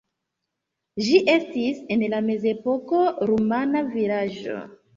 Ĝi estis en la mezepoko rumana vilaĝo.